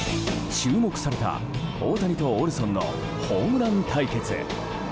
注目された大谷とオルソンのホームラン対決。